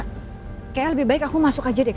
helt badan aja brasinish